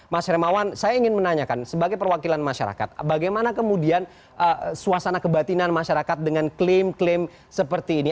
mas hermawan saya ingin menanyakan sebagai perwakilan masyarakat bagaimana kemudian suasana kebatinan masyarakat dengan klaim klaim seperti ini